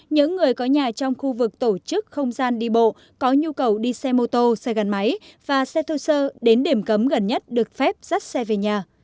những người có nhà trong khu vực tổ chức không gian đi bộ có nhu cầu đi xe mô tô xe gắn máy và xe thô sơ đến điểm cấm gần nhất được phép dắt xe về nhà